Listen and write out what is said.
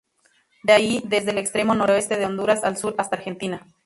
De ahí desde el extremo noroeste de Honduras al sur hasta Argentina.